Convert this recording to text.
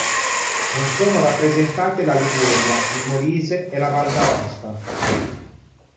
Non sono rappresentate la Liguria, il Molise e la Val d'Aosta.